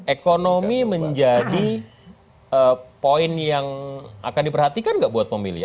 ekonomi menjadi poin yang akan diperhatikan nggak buat pemilih